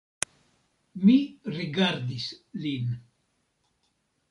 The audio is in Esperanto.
Mi rigardis lin.